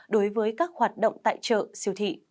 đối với các hoạt động tại chợ siêu thị